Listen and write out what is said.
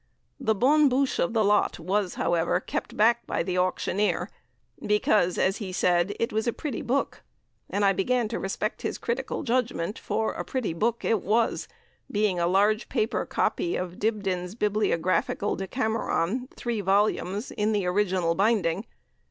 The bonne bouche of the lot was, however, kept back by the auctioneer, because, as he said, it was 'a pretty book,' and I began to respect his critical judgment, for 'a pretty book' it was, being a large paper copy of Dibdin's Bibliographical Decameron, three volumes, in the original binding.